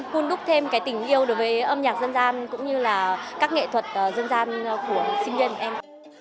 hun đúc thêm cái tình yêu đối với âm nhạc dân gian cũng như là các nghệ thuật dân gian của sinh viên em